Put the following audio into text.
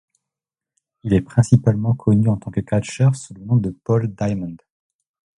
Il est principalement connu en tant que catcheur sous le nom de Paul Diamond.